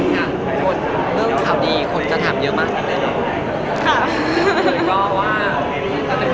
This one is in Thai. ค่ะด้วยค้อเรื่องคราวดีคนก็ทำเยอะมากเนี่ย